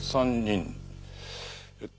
えっと。